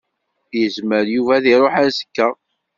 Yezmer Yuba ad iṛuḥ azekka.